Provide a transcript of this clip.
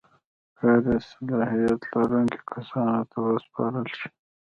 کار یې د صلاحیت لرونکو کسانو ته وسپارل شي.